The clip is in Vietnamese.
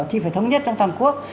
thì phải thống nhất trong toàn quốc